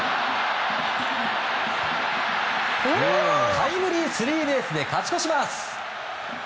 タイムリースリーベースで勝ち越します。